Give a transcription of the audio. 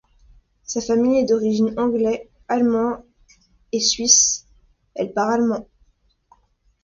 Sa famille est d'origine anglais, allemand et suisse, elle parle allemand.